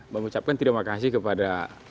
mengucapkan terima kasih kepada